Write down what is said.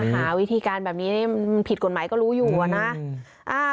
หาวิธีการแบบนี้มันผิดกฎหมายก็รู้อยู่อะนะ